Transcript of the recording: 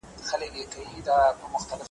اوږده غاړه یې ښایسته بې لونګینه `